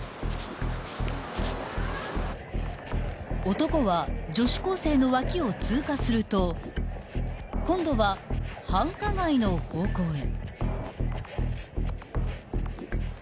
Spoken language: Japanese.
［男は女子高生の脇を通過すると今度は繁華街の方向へ］